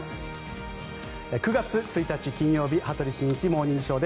９月１日、金曜日「羽鳥慎一モーニングショー」。